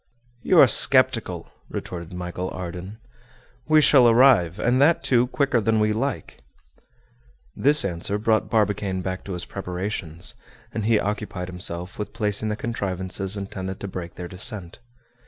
"You are sceptical," retorted Michel Ardan. "We shall arrive, and that, too, quicker than we like." This answer brought Barbicane back to his preparations, and he occupied himself with placing the contrivances intended to break their descent.